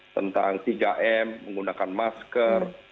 tentang tiga m menggunakan masker